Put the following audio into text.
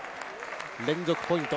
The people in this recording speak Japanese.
連続ポイント。